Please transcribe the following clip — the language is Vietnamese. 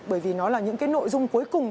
bởi vì nó là những cái nội dung cuối cùng